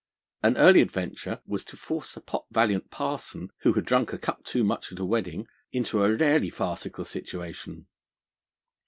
An early adventure was to force a pot valiant parson, who had drunk a cup too much at a wedding, into a rarely farcical situation.